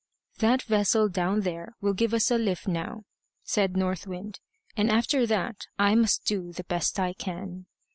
"That vessel down there will give us a lift now," said North Wind; "and after that I must do the best I can."